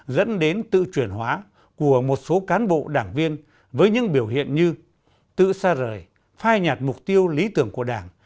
dẫn đến tự chuyển hóa của một số cán bộ đảng viên với những biểu hiện như tự xa rời phai nhạt mục tiêu lý tưởng của đảng